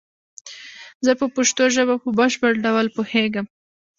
زه په پشتو ژبه په بشپړ ډول پوهیږم